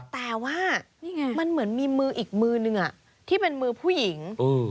แต่ว่ามันเหมือนมีมืออีกมือนึงที่เป็นมือผู้หญิง